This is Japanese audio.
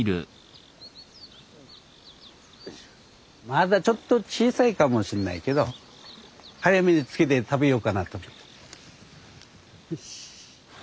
まだちょっと小さいかもしんないけど早めに漬けて食べようかなと。